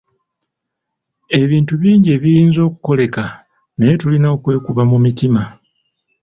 Ebintu bingi ebiyinza okukoleka naye tulina okwekuba mu mitima.